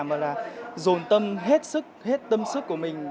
mà là dồn tâm hết sức hết tâm sức của mình